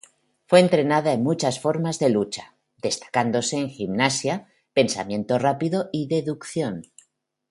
Fue entrenado en muchas formas de lucha, destacándose en gimnasia, pensamiento rápido y deducción.